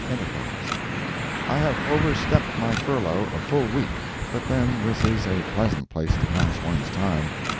ENTERPRISE: I have overstepped my furlough a full week—but then this is a pleasant place to pass one's time.